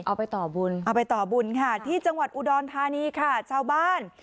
เอาไปต่อบุญค่ะที่จังหวัดอุดรทานีค่ะ